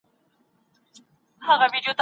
څېړونکی باید د مذهب او ساینس ترمنځ توازن وساتي.